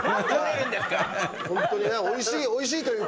本当においしい、おいしいというか。